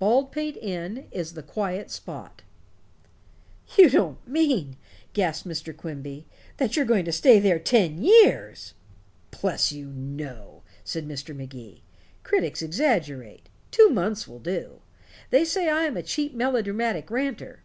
Baldpate Inn is the quiet spot." "You don't mean," gasped Mr. Quimby, "that you're going to stay there ten years?" "Bless you, no," said Mr. Magee. "Critics exaggerate. Two months will do. They say I am a cheap melodramatic ranter.